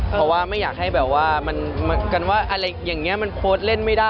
เพราะว่าไม่อยากให้แบบว่ากันว่าอะไรอย่างนี้มันโพสต์เล่นไม่ได้